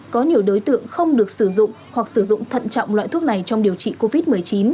có nhiều đối tượng không được sử dụng hoặc sử dụng thận trọng loại thuốc này trong điều trị covid một mươi chín